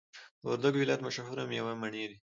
د وردګو ولایت مشهوره میوه مڼی دی